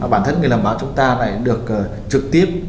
bản thân người làm báo chúng ta lại được trực tiếp